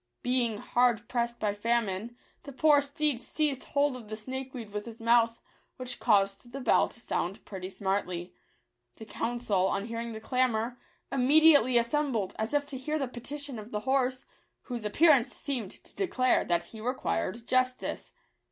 Being hard pressed by famine, the poor steed seized hold of the snakeweed with his mouth, which caused the bell to sound pretty smartly. The council, on hearing the clamour, immediately as sembled, as if to hear the petition of the horse, whose appearance seemed to declare that he re quired justice.